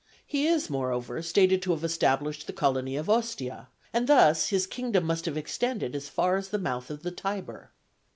He is moreover stated to have established the colony of Ostia, and thus his kingdom must have extended as far as the mouth of the Tiber.